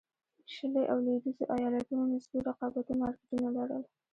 شلي او لوېدیځو ایالتونو نسبي رقابتي مارکېټونه لرل.